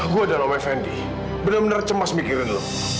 gue dan om fendi benar benar cembah mikirin lo